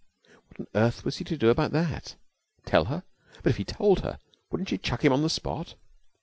What on earth was he to do about that? Tell her? But if he told her, wouldn't she chuck him on the spot?